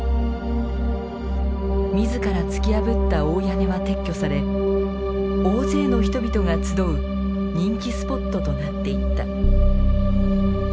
自ら突き破った大屋根は撤去され大勢の人々が集う人気スポットとなっていった。